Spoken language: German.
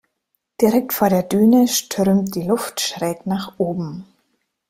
Direkt vor der Düne strömt die Luft schräg nach oben.